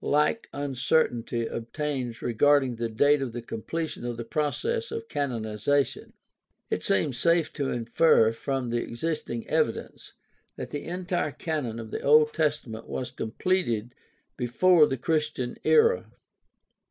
Like uncertainty obtains regarding the date of the completion of the process of canoniza tion. It seems safe to infer from the existing evidence that the entire Canon of the Old Testament was completed before the "Christian era.